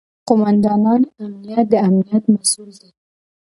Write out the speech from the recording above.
قوماندان امنیه د امنیت مسوول دی